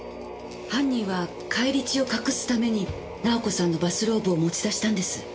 犯人は返り血を隠すために直子さんのバスローブを持ち出したんです。